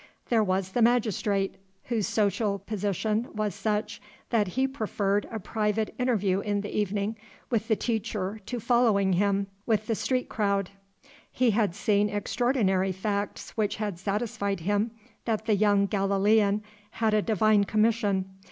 There was the magistrate, whose social position was such that he preferred a private interview in the evening with the Teacher to following him with the street crowd. He had seen extraordinary facts which had satisfied him that the young Galilean had a divine commission.